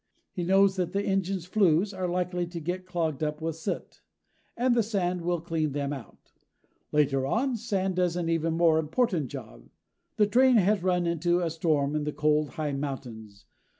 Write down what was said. He knows that the engine's flues are likely to get clogged up with soot, and the sand will clean them out. Later on, sand does an even more important job. The train has run into a storm in the cold, high mountains.